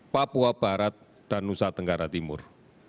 papua barat dan nusa tenggara timur